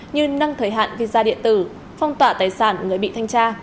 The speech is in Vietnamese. như nâng thời hạn visa điện tử phong tỏa tài sản người bị thanh tra